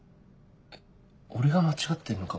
えっ俺が間違ってんのか？